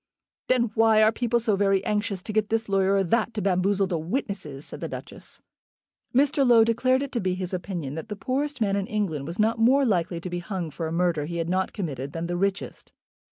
"Then why are people so very anxious to get this lawyer or that to bamboozle the witnesses?" said the Duchess. Mr. Low declared it to be his opinion that the poorest man in England was not more likely to be hung for a murder he had not committed than the richest.